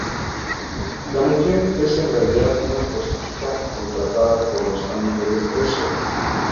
La mujer es en realidad una prostituta contratada por los amigos del preso.